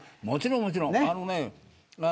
もちろん、もちろん。